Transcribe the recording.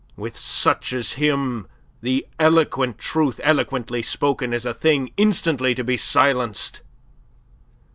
With such as him the eloquent truth eloquently spoken is a thing instantly to be silenced.